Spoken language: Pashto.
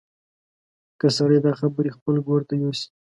که سړی دا خبرې خپل ګور ته یوسي.